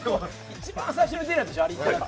一番最初に出るやつでしょ。